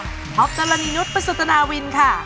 ครอบเจ้าละนินุสประสุทธนาวินค่ะ